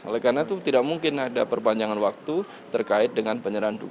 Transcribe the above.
oleh karena itu tidak mungkin ada perpanjangan waktu terkait dengan penyerahan dukungan